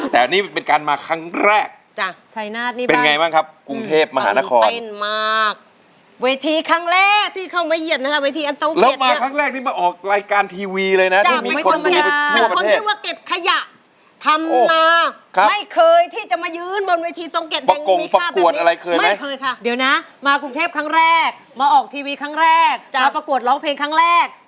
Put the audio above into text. แต่นี่เป็นการมาครั้งแรกเป็นยังไงบ้างครับกรุงเทพฯมหานคร